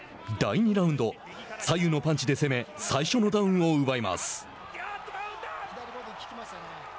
第２ラウンド左右のパンチで攻め最初のダウンを奪います。